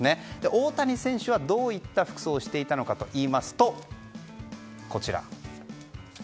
大谷選手はどういった服装をしていたのかといいますと。